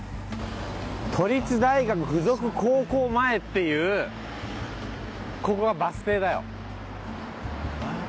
「都立大学附属高校前」っていうここがバス停だよ。